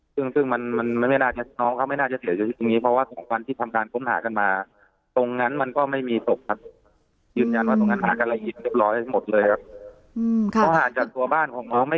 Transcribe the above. ซึ่งน้องมันน้องเขาไม่น่าจะเสียอยู่อย่างงี้